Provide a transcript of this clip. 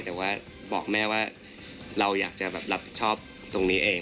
แต่ว่าบอกแม่ว่าเราอยากจะรับผิดชอบตรงนี้เอง